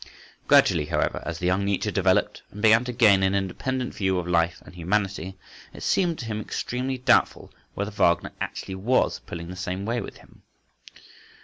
Gradually, however, as the young Nietzsche developed and began to gain an independent view of life and humanity, it seemed to him extremely doubtful whether Wagner actually was pulling the same way with him.